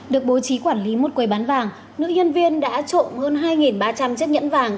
được bố trí quản lý một quầy bán vàng nữ nhân viên đã trộm hơn hai ba trăm linh chiếc nhẫn vàng